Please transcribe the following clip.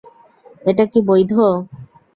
এটা কি বৈধ?